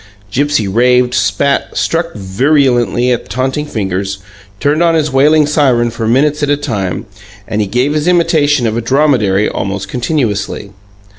Gipsy raved, "spat", struck virulently at taunting fingers, turned on his wailing siren for minutes at a time, and he gave his imitation of a dromedary almost continuously.